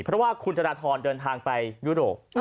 เพราะว่าคุณธนทรเดินทางไปยุโรป